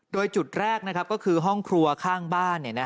โดยจุดแรกก็คือห้องครัวข้างบ้าน